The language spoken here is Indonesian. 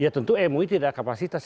tentu mui tidak kapasitas